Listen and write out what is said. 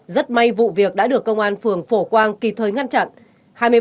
rất may vụ việc đã được công an phường phổ quang kịp thời ngăn chặn